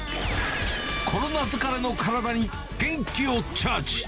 コロナ疲れの体に元気をチャージ！